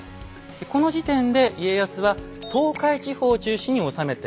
この時点で家康は東海地方を中心に治めていました。